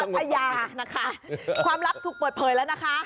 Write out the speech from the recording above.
พญานะคะความลับถูกเปิดเผยแล้วนะคะ